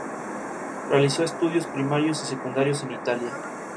Realizó estudios primarios y secundarios en Italia.